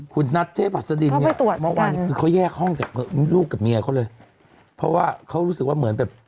คุณนัทเทพหัสดินเนี่ยเมื่อวานนี้คือเขาแยกห้องจากลูกกับเมียเขาเลยเพราะว่าเขารู้สึกว่าเหมือนแบบ